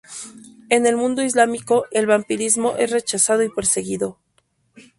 En el mundo islámico el vampirismo es rechazado y perseguido.